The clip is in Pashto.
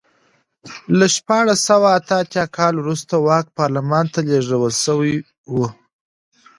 له شپاړس سوه اته اتیا کال وروسته واک پارلمان ته لېږدول شوی و.